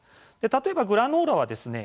例えばグラノーラはですね